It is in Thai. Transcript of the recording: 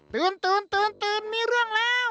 ตื่นตื่นตื่นตื่นมีเรื่องแล้ว